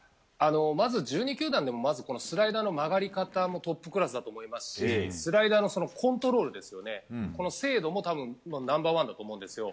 まず１２球団でもスライダーの曲がり方もトップクラスだと思いますしスライダーのコントロールの精度も多分ナンバー１だと思うんですよ。